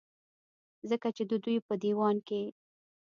ځکه چې د دوي پۀ ديوان کې